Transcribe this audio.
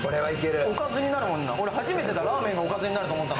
おかずになるもんな、俺初めて、麺がおかずになると思ったの。